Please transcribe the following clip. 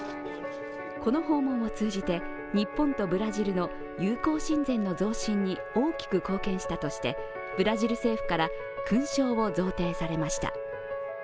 この訪問を通じて、日本とブラジルの友好親善の増進に大きく貢献したとして、ブラジル政府から勲章を贈呈されました。